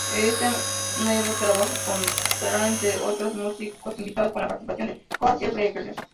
Este nuevo trabajo contará, entre otros músicos invitados, con la participación de Jorge Drexler.